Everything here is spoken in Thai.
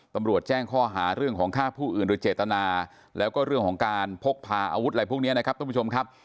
ตำรวจแจ้งข้อหาเรื่องของฆ่าผู้อื่นโดยเจตนาแล้วก็เรื่องของการพกพาอาวุธอะไรพวกนี้นะครับท่านผู้ชมครับ